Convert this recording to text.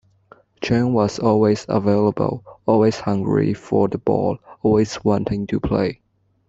John was always available, always hungry for the ball, always wanting to play.